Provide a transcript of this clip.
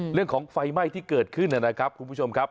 เรื่องของไฟไหม้ที่เกิดขึ้นนะครับคุณผู้ชมครับ